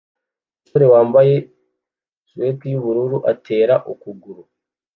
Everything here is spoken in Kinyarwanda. Umusore wambaye suite yubururu atera ukuguru